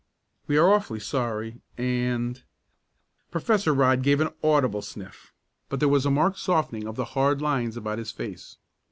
We are awfully sorry, and " Professor Rodd gave an audible sniff, but there was a marked softening of the hard lines about his face.